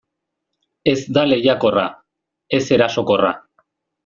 Ez da lehiakorra, ez erasokorra.